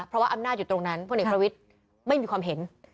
เพราะว่าอำนาจอยู่ตรงนั้นพลเอกประวิทย์ไม่มีความเห็น